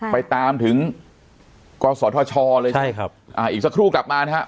ไปตามถึงกศธชเลยใช่ครับอ่าอีกสักครู่กลับมานะฮะ